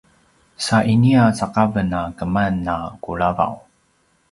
sa inia cakaven a keman na kulavaw